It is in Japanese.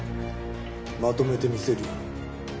まとめてみせるよ。